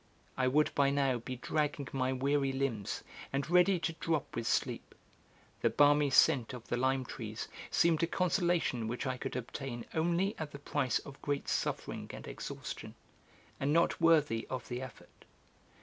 I would by now be dragging my weary limbs, and ready to drop with sleep; the balmy scent of the lime trees seemed a consolation which I could obtain only at the price of great suffering and exhaustion, and not worthy of the effort.